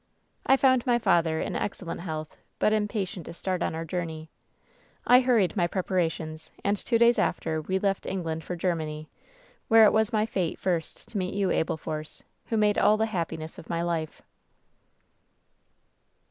"I found my father in excellent health, but impatient to start on our journey. "I hurried my preparations, and two days after we left England for Germany, where it was my fate first to meet you, Abel Force, who made all the happiness of my life.''